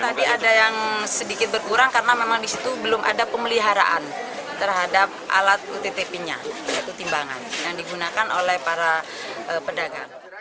tadi ada yang sedikit berkurang karena memang di situ belum ada pemeliharaan terhadap alat uttp nya yaitu timbangan yang digunakan oleh para pedagang